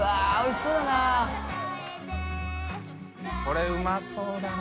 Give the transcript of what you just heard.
海うまそうだな。